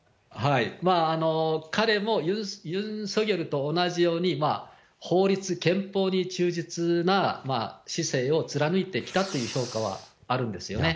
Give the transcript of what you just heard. まあ彼もユン・ソギョルと同じように、法律、憲法に忠実な姿勢を貫いてきたという評価はあるんですよね。